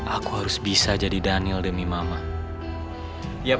aku harus bisa jadi daniel dan aku bisa jadi nathan